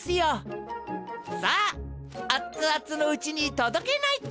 さああっつあつのうちにとどけないと。